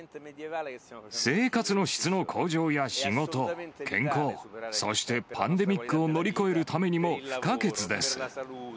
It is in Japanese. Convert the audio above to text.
生活の質の向上や仕事、健康、そしてパンデミックを乗り越えるためにも不可欠です。